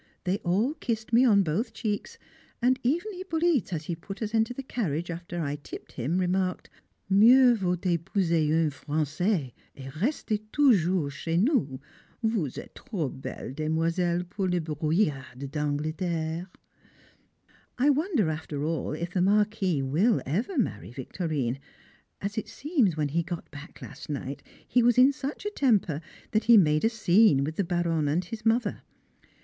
They all kissed me on both cheeks, and even Hippolyte as he put us into the carriage after I tipped him, remarked, "Mieux vaut épouser un français et rester toujours chez nous, vous êtes trop belle demoiselle pour le brouillard d'Angleterre!" I wonder after all if the Marquis will ever marry Victorine, as it seems, when he got back last night, he was in such a temper that he made a scene with the Baronne and his mother.